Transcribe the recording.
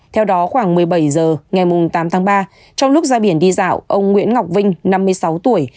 theo đó khoảng một mươi bảy h ngày tám tháng ba trong lúc ra biển đi dạo ông nguyễn ngọc vinh năm mươi sáu tuổi